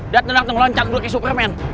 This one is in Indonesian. dateng dateng loncat dulu ke superman